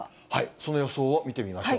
その予想を見てみましょう。